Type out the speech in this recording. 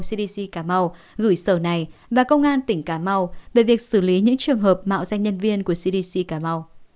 cdc cảm mau gửi sở này và công an tỉnh cà mau về việc xử lý những trường hợp mạo danh nhân viên của cdc cà mau